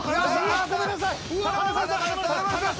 ああごめんなさい。